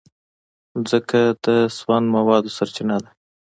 مځکه د سون موادو سرچینه ده.